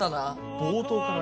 冒頭からね。